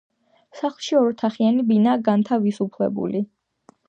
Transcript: სახლში ოროთახიანი ბინაა განთავსებული.